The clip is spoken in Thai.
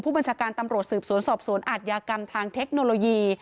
บัญชาการตำรวจสืบสวนสอบสวนอาทยากรรมทางเทคโนโลยี